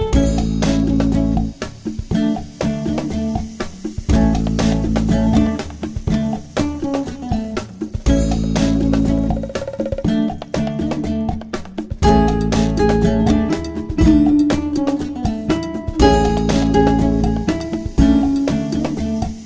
กลับเข้ามาเลย